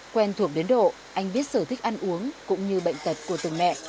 quen thuộc đến độ anh biết sở thích ăn uống cũng như bệnh tật của từng mẹ